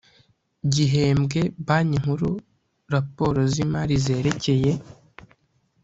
gihembwe banki nkuru raporo z imari zerekeye